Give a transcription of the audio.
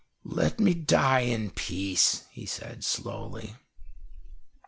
"Let me die in peace," he said slowly.